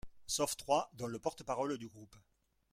Sauf trois dont le porte-parole du groupe